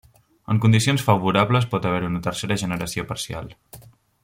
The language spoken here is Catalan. En condicions favorables pot haver-hi una tercera generació parcial.